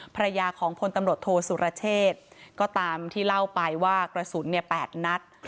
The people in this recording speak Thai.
ภรรยาของพลตำรวจโทษสุรเชษก็ตามที่เล่าไปว่ากระสุน๘นัด